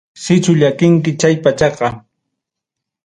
Sichu llakinki chay pachaqa.